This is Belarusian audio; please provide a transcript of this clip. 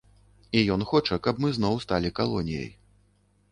І ён хоча, каб мы зноў сталі калоніяй.